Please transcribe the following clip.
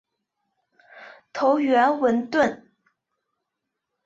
头圆吻钝。